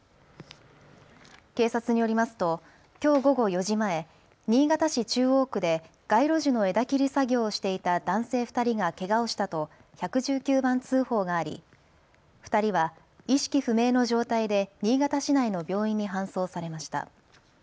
警察によりますときょう午後４時前、新潟市中央区で街路樹の枝切り作業をしていた男性２人がけがをしたと１１９番通報があり２人は意識不明の状態で新潟市内の病院に搬送されました。